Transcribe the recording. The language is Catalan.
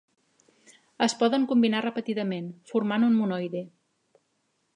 Es poden combinar repetidament, formant un monoide.